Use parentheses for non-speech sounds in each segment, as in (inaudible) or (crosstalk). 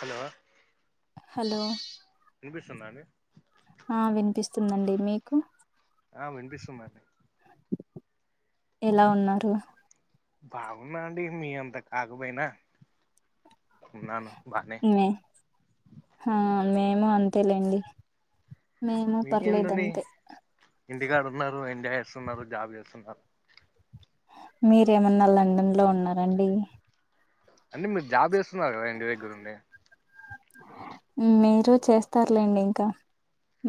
Hello hello వినిపిస్తుందా అండి ఆ వినిపిస్తుందండి మీకు ఆ వినిపిస్తుందండి ఎలా ఉన్నారు బాగున్నా అండి మీ అంత కాకపోయినా ఉన్నాను బానే మే హ మేము అంతేలేండి మేము పర్లేదు మీకేంటండి అంతే ఇంటికాడ ఉన్నారు ఎంజాయ్ చేస్తున్నారు జాబ్ చేస్తున్నారు మీరేమన్నా లండన్ లో ఉన్నరా అండి అంటే మీరు జాబ్ చేస్తున్నారు కదా ఇంటి దగ్గరుండి మీరు చేస్తారులేండి ఇంకా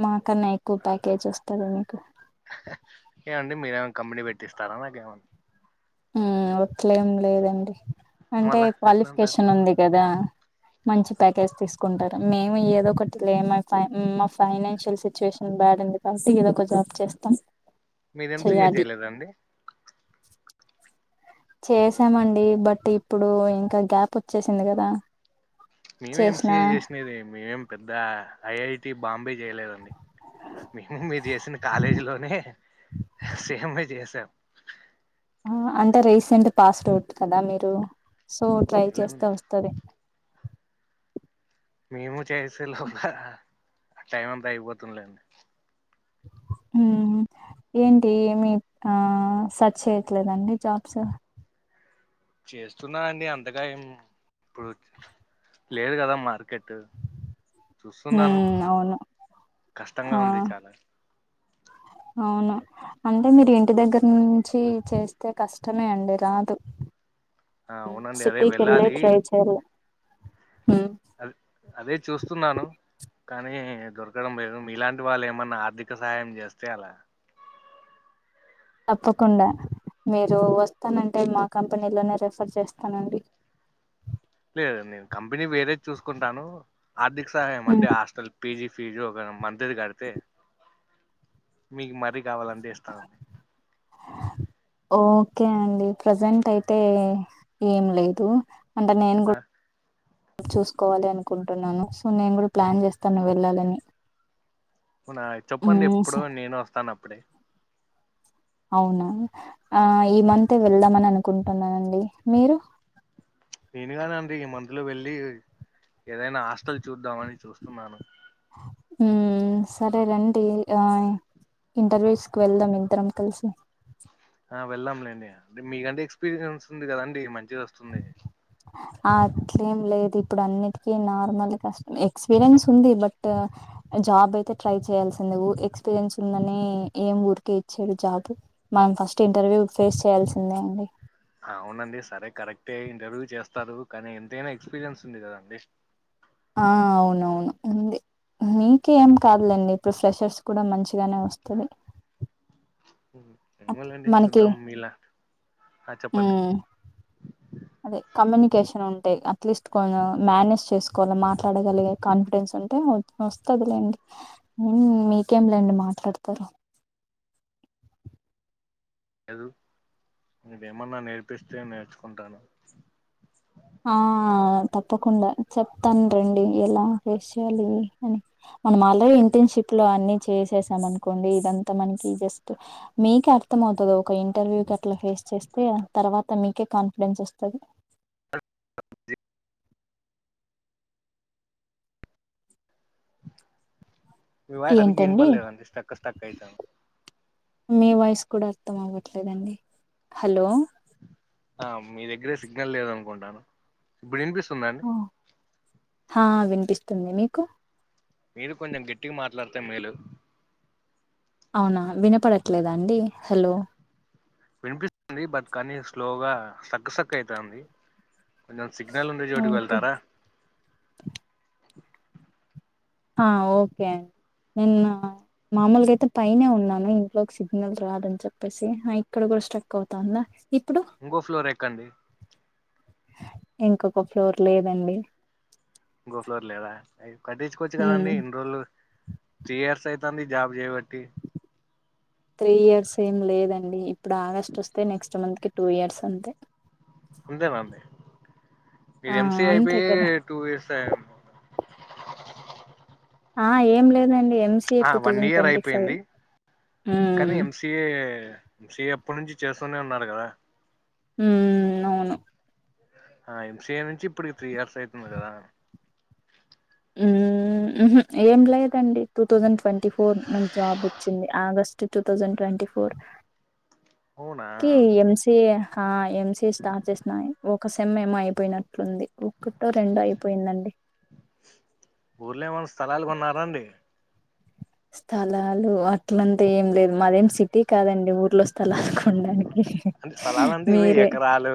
మా కన్నా ఎక్కువ ప్యాకేజ్ వస్తది మీకు ఏమండి మీరేమ కంపెనీ పెట్టిస్తారా నాకేమ మ్మ్ అట్లేం లేదండి అంటే మళ్ళా ఎట్లా అంటారు క్వాలిఫికేషన్ ఉంది కదా మంచి ప్యాకేజ్ తీసు కుంటారు మేము ఏదో ఒకటి లే మా మా ఫైనాన్షియల్ సిచ్యువేషన్ బ్యాడ్ ఉంది కాబట్టి ఏదొక జాబ్ చేస్తాం మీరు ఎంసిఏ చెయ్యాలి చేయలేదండీ చేసామండి బట్ ఇప్పుడు ఇంకా గ్యాప్ వచ్చేసింది కదా మేము చేసిన ఎంసిఏ చేసినదే మేమేం పెద్ద ఐఐటి బాంబే చేయలేదండి మేము మీరు చేసిన కాలేజీ లోనే సేమ్ చేసాం అంటే రీసెంట్ పాస్ డౌట్ కదా మీరు సో ట్రై చేస్తే వస్తది మేము చేసే లోపల టైం అంతా అయిపోతుంది లేండి హ్మ్ ఏంటి ఏమి ఆ సర్చ్ చేయట్లేదండి జాబ్స్ చేస్తున్నా అండి అంతగా ఏం ఇప్పుడు లేదు కదా మార్కెటు చూస్తున్నాను మ్మ్ అవును కష్టంగా ఆ ఉంది చాలా అవును అంటే మీరు ఇంటి దగ్గర నుంచి చేస్తే కష్టమే అండి రాదు ఆ అవునండి అదే సిటీకెళ్ళి వెళ్ళాలి ట్రై చేయలే హు అది అదే చూస్తున్నాను కానీ దొరకడం లేదు మీలాంటి వాళ్ళేమన్నా ఆర్థిక సాయం చేస్తే అలా తప్పకుండా మీరు వస్తానంటే మా కంపెనీలోనే రెఫర్ చేస్తానండి లేదండి నేను కంపెనీ వేరే చూసుకుంటాను ఆర్థిక సహాయం ఉమ్, అంటే హాస్టల్ పీజీ ఫీజు ఒక మంత్ ది కడితే మీకు మరీ కావాలంటే ఇస్తాండి ఓకే అండి ప్రజెంట్ అయితే ఏం లేదు అంటే నేను గు ఆ, చూసుకోవాలి అనుకుంటున్నాను సో నేను గూడా ప్లాన్ చేస్తన్న వెళ్ళాలని వునా మ్మ్ చెప్పండెప్పుడో స నేను ఒస్తాన్ అప్పుడే అవునా ఆ ఈ మంతే వెళ్దామన్ అనుకుంటున్నానండి మీరు నేనుగానంతే ఈ మంత్ లో వెళ్ళి ఏదైనా హాస్టల్ చూద్దామని చూస్తున్నాను ఊమ్ సరే రండి ఆ ఇంటర్వ్యూస్ క్ వెళ్దాం ఇద్దరం కలిసి ఆ వెళ్ళాంలేండి డి మీకంటే ఎక్స్పీరియన్స్ ఉంది కదండి మంచిదొస్తుంది ఆ అట్లేం లేదు ఇప్పుడన్నిటికీ నార్మల్ కష్ ఎక్స్పీరియన్స్ ఉంది బట్ జాబ్ అయితే ట్రై చేయాల్సిందె ఉ ఎక్స్పీరియన్స్ ఉందనీ ఏం ఊరికే ఇచ్చేది జాబు మనం ఫస్ట్ ఇంటర్వ్యూ ఫేస్ చేయాల్సిందే అండి అవునండి సరే కరెక్టే ఇంటర్వ్యూ చేస్తారు కానీ ఎంతైనా ఎక్స్పీరియన్స్ ఉంది కదాండి ఆ అవునవును ఉంది మీకి ఏం కాదులేండి ఇప్పుడు ఫ్రెషర్స్ కూడా మంచిగానే వస్తది ఉం అట్ ఏమోలేండి మనకి చూద్దాం మీలా ఆ చెప్పండి మ్ అదే కమ్యూనికేషన్ ఉంటే అట్లీస్ట్ కొను మేనేజ్ చేసుకోవాలె మాట్లాడగలిగే కాన్ఫిడెన్స్ ఉంటే ఒట్ ఒస్తది లేండి ఊమ్ మీకేం లేండి మాట్లాడతారు ఎల్ మీరేమన్నా నేర్పిస్తే నేర్చుకుంటాను ఆ తప్పకుండా చెప్తాన్ రండి ఎలా ఫేస్ చేయాలి అని మనం ఆల్రెడీ ఇంటర్న్షప్ లో అన్ని చేసేసాం అనుకోండి ఇదంతా మనకి జస్ట్ మీకే అర్థం అవుతుద్ ఒక ఇంటర్వ్యూ కట్లా ఫేస్ చేస్తే తర్వాత మీకే కాన్ఫిడెన్స్ ఒస్తది మీ వాయ్ ఏంటండి సరిగ్గినపడలేదండి స్టక్ స్టక్ అయితాన్ మీ వాయిస్ కూడా అర్థం అవ్వట్లేదండి హలో ఆ మీ దగ్గరే సిగ్నల్ లేదనుకుంటాను ఇప్పుడినిపిస్తుంద హ్ హా వినిపిస్తుంది మీకు మీరు కొంటెం గట్టిగా మాట్లాడితే మేలు అవునా వినపడట్లేదా అండి హలో వినిపిస్ ంది బట్ కానీ స్లోగా స్ట్రక్ స్ట్రక్ అయితాంది కొంచెం సిగ్నల్ ఉండే చోటుక్ ఓకే వెళ్తారా ఆ ఓకే అన్ నిన్న మామూలుగాయితే పైనే ఉన్నాను ఇంట్లో సిగ్నల్ రాదన్ చెప్పేసి హ ఇక్కడ గూడా స్ట్రక్ అవుతాందా ఇప్పుడు ఇంకో ఫ్లోర్ ఎక్కండి ఇంకొక ఫ్లోర్ లేదండి గో ఫ్లోర్ లేదా అయ్ కట్టిచుకోవచ్చు ఉమ్ గదండి ఇన్రోలు త్రీ ఇయర్స్ అయితాంది జాబ్ జేయవట్టి త్రీ ఇయర్స్ ఏం లేదండి ఇప్పుడాగస్ట్ ఒస్తే నెక్స్ట్ మంత్ కి టూ ఇయర్స్ అంతే ఉంతేనాండి ఆ మీద్ ఎంసిఎ అంతే అయిపోయి కదా టూ ఇయర్స్ అయేమ్ ఆ ఏం లేదండి ఎంసిఏ ఆ two one thousand year twenty five ఊమ్ సి ఏ సి ఎ ఎప్పటి నుంచి చేస్తూనే ఉన్నారు కదా ఊమ్ నౌను ఆ ఏం సి ఏ నుంచి ఇప్పుడి త్రీ ఇయర్స్ అయితుంది గదా ఉమ్ మ్ హు ఏం లేదండి టూ థౌజండ్ ట్వంటీ ఫోర్ నాకు జాబ్ వచ్చింది August two thousand twenty four అవునా కి ఎంసి హ ఎంసి స్టార్ట్ చేసినయ్ ఒ క్క సెమ్ ఏమో అయిపోయినట్లుంది ఒక్కటో రెండో అయిపోయిందండి ఊర్లో ఏమనా స్థలాలు కొన్నారాండి స్థలాలు అట్లంతా ఏం లేదు మాదేం సిటీ కాదండి ఊర్లో స్థలాలు కొనడానికి అంటే స్థలాలంటే ఇవే ఎకరాలు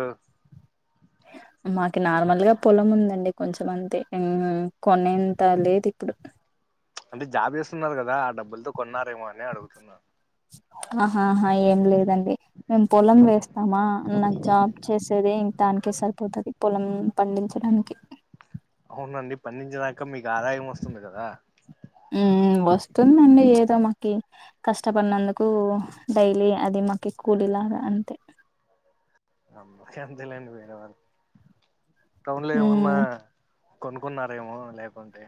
మాకి నార్మల్గా పొలం ఉందండి కొంచం మంతే మ్ కొనేంత లేదు ఇప్పుడు అంటే జాబ్ చేస్తున్నారు కదా ఆ డబ్బుల్తో కొన్నారేమో అని అడుగుతున్నా ఆహాహా ఏం లేదండి మేమ్ పొలం వేస్తామా నాకు జాబ్ చేసేదే ఇంకా దానికే సరిపోతది పొలం పండించడానికి అవునండి పండించేదాక మీకు ఆదాయం వస్తుంది కదా మ్ వస్తుందండి ఏదో మకి కష్టపడినందుకు డైలీ అది మాకి కూలిలాగా అంతే అందరికి అంతేలేండి వేరే వాళ్ళు టౌన్ లో ఏమన్నా మ్మ్ కొనుక్కున్నారేమో లేకుంటే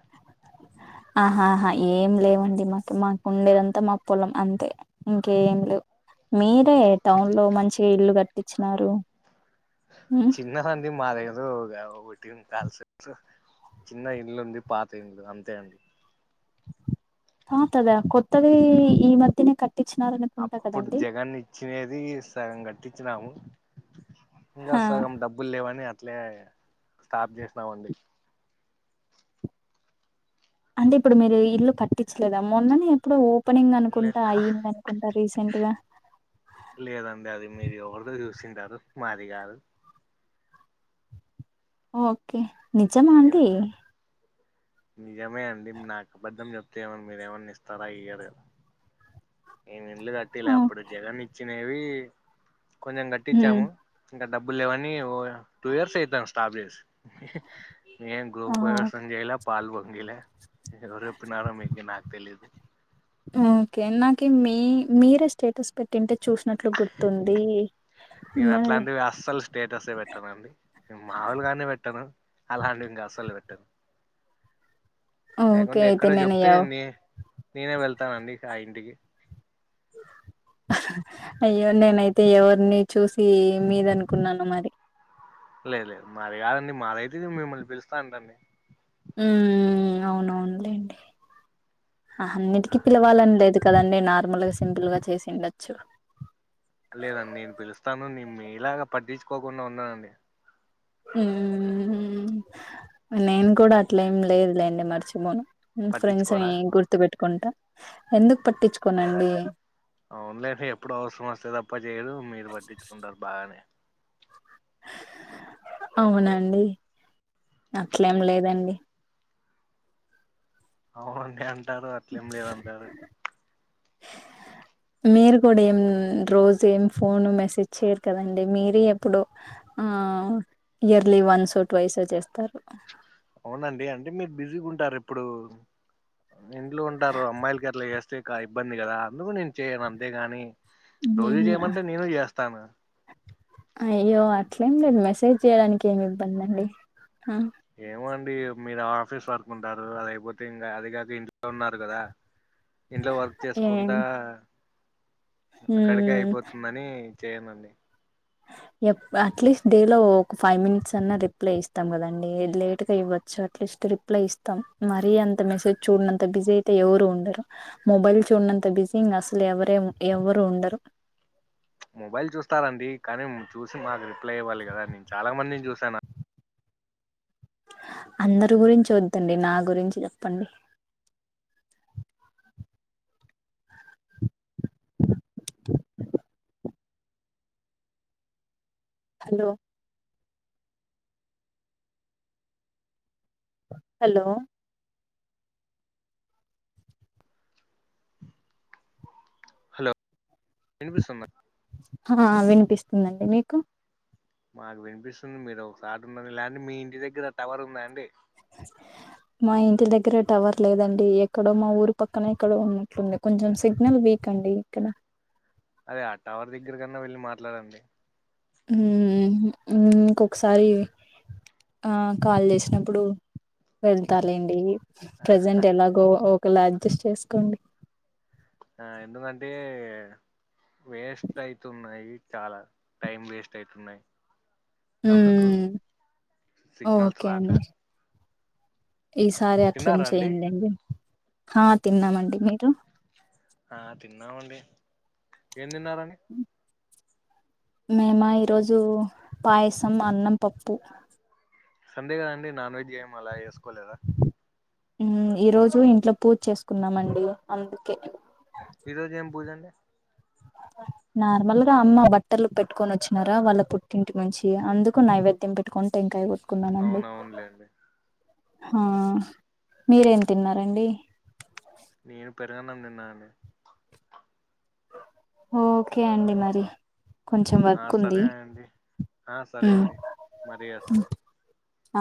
ఆహాహా ఏం లేవండి మాకు మాకుండేదంతా మా పొలం అంతే ఇంకేం లేవు మీరే టౌన్లో మంచిగా ఇల్లు కట్టించినారు మ్మ్ చిన్నదండి మాది ఏదో వేవ్ ఒటేన్ దాల్ సె క్సు చిన్న ఇల్లు ఉంది పాత ఇల్లు అంతే అండి ఆ కదా కొత్తది ఈ మధ్యనే కట్టించినారు అనుకుంటా కదండి చ్చినది సగం కట్టించినాము ఇంకా హా సగం డబ్ బ్బుల్ లేవని అట్లే స్టాప్ చేసినమండి అంటే ఇప్పుడు మీరు ఇల్లు కట్టించలేదా మొన్ననే ఎప్పుడు పేనింగ్ లే అనుకుంటా అయ్యింది అనుకుంటా రీసెంట్గా లేదండి అది మీరు ఎవరిదొ చూసింటారు మాది గాదూ ఓకే నిజమ మేము అండి నిజమే అండి నాకు అబద్ధం చెప్తే ఏవన్ మీరేమన్నా ఇస్తారా ఇయ్యరు కద నేను ఇల్లు కట్టిలే ఆ! అప్పుడు జగన్ ఇచ్చినవి కొంచెం హ్మ్. కట్టించాము ఇంకా డబ్బులు లేవని ఓ టూ ఇయర్స్ అయితాంది స్టాప్ చేసి నేన్ గృహ ఆ! ప్రవేశం చేయలే పాల్ పొంగిలే ఎవరు చెప్పినారో మీకి నాకు తెలీదు ఓకే నాకి మీ మీరే స్టేటస్ పెట్టింటే చూసినట్లు గుర్తుంది మరె అస్సల్ స్టేటస్సే పెట్టనండి నేను మాములుగానే పెట్టను అలాంటివి ఇంకా అస్సలు పెట్టను ఓకే. లేకుంటే అయితే ఎక్కడో నేను చెప్తే ఎవ్ నే నేనే వెళ్తానండి ఆ ఇంటికి అయ్యో నేనైతే ఎవరిని చూసి మీదనుకున్నాను మరి లేదు లేదు మరి కాదండి మదయితే మిమ్మల్ని పిలుస్తాను రండి ఉమ్ అవునవునులేండి అ అన్నిటికీ పిలవాలని లేదు కదండి నార్మల్గా సింపుల్గా చేసి ఉండొచ్చు లేదండి నేను పిలుస్తాను నే మీలాగా పట్టించుకోకుండా ఉండను అండి మ్మ్ నేను కూడా అట్ల ఏమి లేదులేండి మర్చిపోను ఫ్రెండ్స్ని పట్టించుకోరా గుర్తు పెట్టుకుంటా ఎందుకు పట్టించుకోనండి అవునులేండి ఎప్పుడు అవసరం వస్తే తప్ప చేయదు మీరు పట్టించుకుంటారు బాగానే అవునండి అట్లేం లేదండి అవునండి అంటారు అట్లేం లేదుంటారు (inaudible) మీరు కూడా ఏం రోజు ఏం ఫోను మెసేజ్ చెయరు కదండి మీరే ఎప్పుడు ఆ ఇయర్లీ వన్సో ట్వైస్ చేస్తారు అవునండి అంటే మీరు బిజీగుంటారు ఎప్పుడూ ఇంట్లో ఉంటారు అమ్మాయిలకి అట్లా చేస్తే ఇక ఇబ్బంది కదా అందుకు నేను చేయను అంతేగాని రోజు మ్మ్ చేయమంటే నేను చేస్తాను అయ్యో అట్లేం లేదు మెసేజ్ చేయడానికి ఏమి ఇబ్బంది అండి ఏమండి మీరు ఆఫీస్ వర్క్ ఉంటారు అయిపోతే ఇంకా అది కాక ఇం ఉన్నారు కదా ఇంట్లో వర్క్ ఏ చేసుకుంటా అక్కడికే మ్మ్ అయిపోతుందని చేయనండి యబ్బా అట్లీస్ట్ డేలో ఒక ఫైవ్ మినిట్స్ అన్నా రిప్లై ఇస్తాం కదండి లేట్గా ఇవ్వచ్చు అట్లీస్ట్ రిప్ రిప్లై ఇస్తాం మరీ అంత మెసేజ్ చూడినంత బిజీ అయితే ఎవరూ ఉండరు మొబైల్ చూడనంత బిజీ ఇంగ అసలు ఎవరూ ఎవరు ఉండరు మొబైల్ చూస్తారండి కానీ చూసి మాకు రిప్లై ఇవ్వాలి కదా నేను చాలా మందిని చూసాను అందరి గురించి వద్దండి నా గురించి చెప్పండి హలో హలో హలో ఇనిపిస్తుందా ఆ వినిపిస్తుందండి మీకు మాకు వినిపిస్తుంది మీరు ఒకసాటుండండి లేే మీ ఇంటి దగ్గర టవర్ ఉందా అండి మా ఇంటి దగ్గర టవర్ లేదండి ఎక్కడో మా ఊరు పక్కన ఎక్కడో ఉన్నట్లుంది కొంచెం సిగ్నల్ వీక్ అండి ఇక్కడ అదే ఆ టవర్ దగ్గర కన్నా వెళ్ళి మాట్లాడండి ఉమ్ ఇంకొకసారి ఆ కాల్ చేసినప్పుడు వెళ్తాలేండి ప్రజెంట్ ఎలాగో ఒకలా అడ్జస్ట్ చేసుకోండి ఆ ఎందుకంటే వేస్ట్ అయితున్నాయి చాలా టైం వేస్ట్ అయితున్నాయి అందుకు మ్మ్ సిగ్నల్స్ ఓకే రాక అండి ఈసారి అట్లే ఏం తిన్నారా అండి చేయ్యలేండి ఆ తిన్నామండి మీరు ఆ తిన్నామండి ఏం తిన్నరాండి మేమ ఈరోజు పాయసం అన్నం పప్పు సండే కదండి నాన్ వెజ్ ఏమి అలా చేసుకోలేదా ఈ రోజు ఇంట్లో పూజ చేసుకున్నామండి అందుకే ఈ రోజు ఏం పూజండి నార్మల్ గా అమ్మ బట్టర్లు పెట్టుకొని వచ్చినారా వాళ్ళ పుట్టింటి నుంచి అందుకు నైవేద్యం పెట్ కొని టెంకాయ కున్నమండి అవున అవునులేండి ఆ మీరేం తిన్నారండి నేను పెరగన్నాం తిన్నను ఓకే అండి మరి కొంచెం ఆ వర్క్ ఉంది సరే అండి ఆ (inaudible) సరే ఉ అండి మరి చేస్తాను ఆ